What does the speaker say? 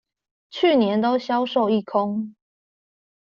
去年都銷售一空